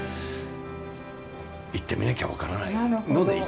行ってみなきゃ分からないので行く。